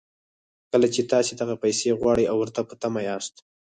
کله چې تاسې دغه پيسې غواړئ او ورته په تمه ياست.